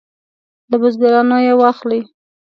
له بزګرانو یې واخلي.